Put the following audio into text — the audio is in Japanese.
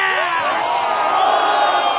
お！